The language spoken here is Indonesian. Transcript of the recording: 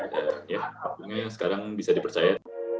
tapi ya sekarang bisa dipercaya